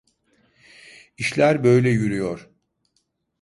İşler böyle yürüyor.